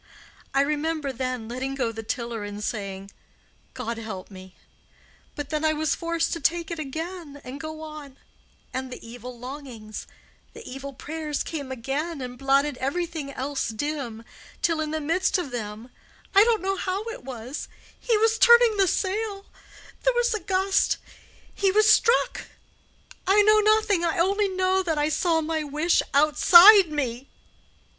I remember then letting go the tiller and saying 'God help me!' But then I was forced to take it again and go on; and the evil longings, the evil prayers came again and blotted everything else dim, till, in the midst of them—I don't know how it was—he was turning the sail—there was a gust—he was struck—I know nothing—I only know that I saw my wish outside me."